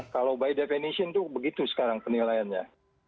kalau by definition itu begitu sekarang penilaiannya